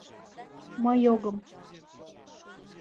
— Мый огым.